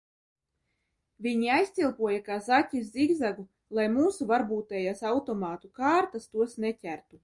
Viņi aizcilpoja, kā zaķi zigzagu, lai mūsu varbūtējās automātu kārtas tos neķertu.